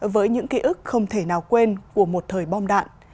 với những ký ức không thể nào quên của một thời bom đạn